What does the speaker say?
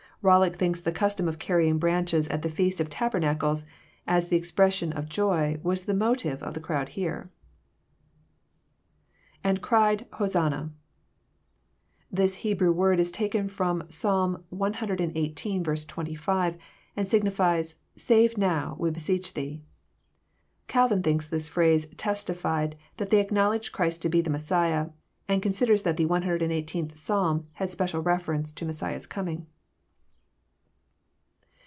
Bollock thinks the custom of carrying branches at the feast of tabernacles, as the expression of Joy, was the motive of the crowd here. lAnd cried, HoMnna.'] This Hebrew word is taken fh>m Psalm cxviii. 25, and signifies *^ Save now, we beseech thee." Calvin thinks this phrase testified that they acknowledged Christ to be the Messiah, and considers that the cxviii. Psalm bad special reference to Messiah's coming.